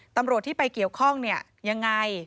ตำรวจที่ไปเกี่ยวข้องเนี่ยยังไง